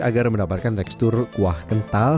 agar mendapatkan tekstur kuah kental